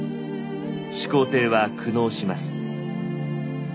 始皇帝は苦悩します。